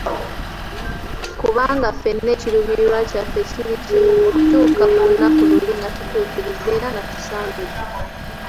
Kubanga ffenna ekiruubirirwa kyaffe kiri kimi, kutuuka ku lunaku luli nga tutuukiridde era nga tusaanidde.